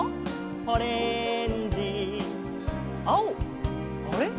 「オレンジ」「青あれ？